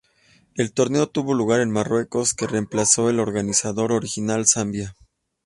El torneo tuvo lugar en Marruecos, que remplazó al organizador original, Zambia.